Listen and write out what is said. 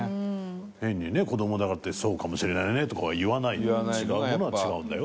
変にね子どもだからって「そうかもしれないね」とかは言わないで違うものは「違うんだよ」